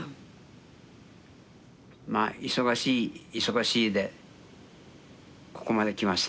まあ忙しい忙しいでここまで来ました。